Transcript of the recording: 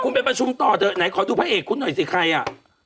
คุณไปประชุมต่อเถอะไหนขอดูพระเอกคุณหน่อยสิใครอ่ะ